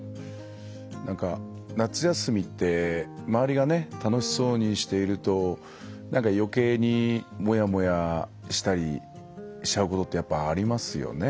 何か夏休みって周りが楽しそうにしていると何か余計にもやもやしたりしちゃうことってやっぱありますよね。